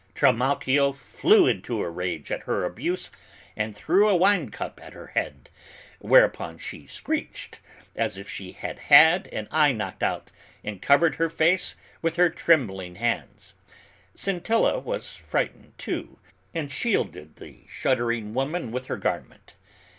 Trimalchio flew into a rage at her abuse and threw a wine cup at her head, whereupon she screeched, as if she had had an eye knocked out and covered her face with her trembling hands. Scintilla was frightened, too, and shielded the shuddering woman with her garment.